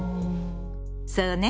そうね。